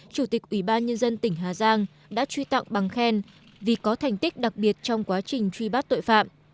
chủ tịch ủy ban nhân dân tỉnh hà giang đã truy tặng bằng khen vì có thành tích đặc biệt trong quá trình truy bắt tội phạm